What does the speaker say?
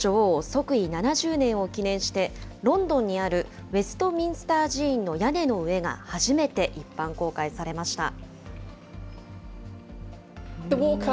即位７０年を記念して、ロンドンにある、ウェストミンスター寺院の屋根の上が初めて一般公開されました。